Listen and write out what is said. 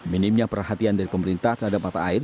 minimnya perhatian dari pemerintah terhadap mata air